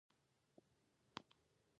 ته وينه د افغان